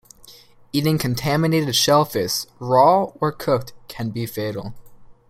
Eating contaminated shellfish, raw or cooked, can be fatal.